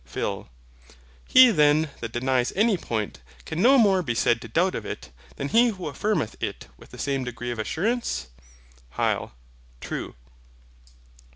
PHIL. He then that denies any point, can no more be said to doubt of it, than he who affirmeth it with the same degree of assurance. HYL. True.